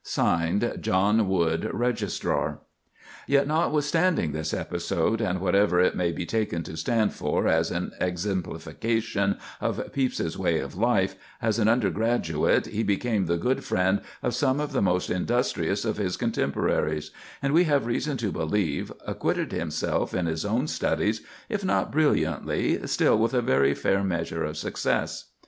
"[Signed] JOHN WOOD, Registrar." Yet, notwithstanding this episode, and whatever it may be taken to stand for as an exemplification of Pepys's way of life, as an undergraduate he became the good friend of some of the most industrious of his contemporaries, and, we have reason to believe, acquitted himself in his own studies, if not brilliantly, still with a very fair measure of success.